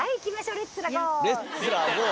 「レッツラゴー」。